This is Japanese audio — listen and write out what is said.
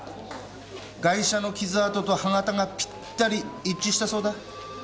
ガイシャの傷痕と刃形がぴったり一致したそうだ。